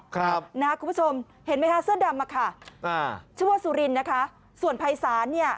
คุณผู้ชมเห็นไหมคะเสื้อดำชั่วซุรินภายศาสตร์นี้